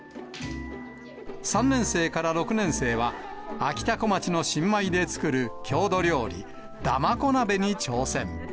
３年生から６年生は、あきたこまちの新米で作る郷土料理、だまこ鍋に挑戦。